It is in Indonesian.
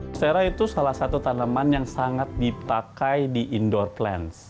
monstera itu salah satu tanaman yang sangat dipakai di indoor plans